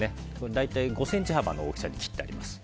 大体５ｃｍ幅に切ってあります。